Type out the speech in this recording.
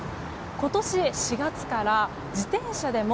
今年４月から、自転車でも